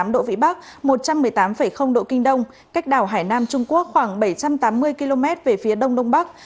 một mươi độ vĩ bắc một trăm một mươi tám độ kinh đông cách đảo hải nam trung quốc khoảng bảy trăm tám mươi km về phía đông đông bắc